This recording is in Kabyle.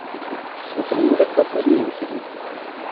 Nexdem ula deg wakud n yimekli.